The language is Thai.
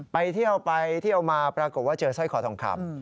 ไปเที่ยวไปเที่ยวมาปรากฏว่าเจอสร้อยคอทองคำ